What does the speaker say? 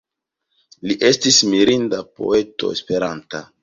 Li estis mirinda poeto Esperanta.